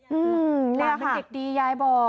ยายเป็นเด็กดียายบอก